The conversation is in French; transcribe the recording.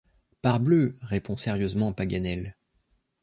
Parbleu! répondit sérieusement Paganel.